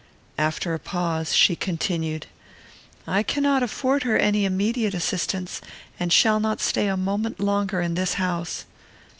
After a pause, she continued: "I cannot afford her any immediate assistance, and shall not stay a moment longer in this house.